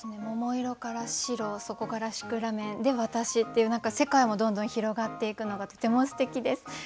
桃色から白そこからシクラメンで私っていう何か世界もどんどん広がっていくのがとてもすてきです。